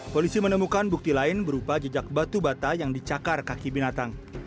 polisi menemukan bukti lain berupa jejak batu bata yang dicakar kaki binatang